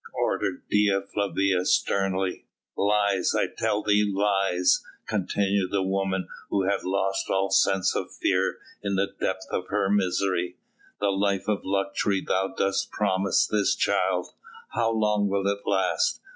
ordered Dea Flavia sternly. "Lies, I tell thee, lies," continued the woman who had lost all sense of fear in the depth of her misery; "the life of luxury thou dost promise this child how long will it last?